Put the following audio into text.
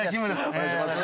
お願いします。